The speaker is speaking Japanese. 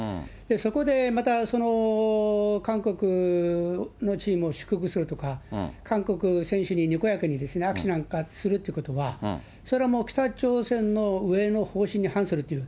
そこで、また韓国のチームを祝福するとか、韓国選手ににこやかに握手なんかするってことは、それはもう北朝鮮の上の方針に反するという。